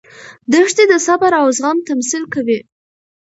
دښتې د صبر او زغم تمثیل کوي.